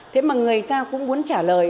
thế mà người ta cũng muốn trả lời là phải trả lời